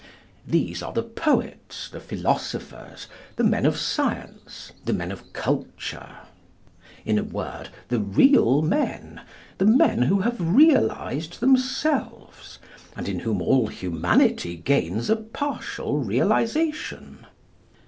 These are the poets, the philosophers, the men of science, the men of culture—in a word, the real men, the men who have realised themselves, and in whom all Humanity gains a partial realisation.